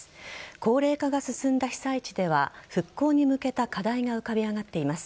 高齢化が進んだ被災地では復興に向けた課題が浮かび上がっています。